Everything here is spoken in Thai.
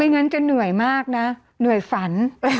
งั้นจะเหนื่อยมากนะเหนื่อยฝัน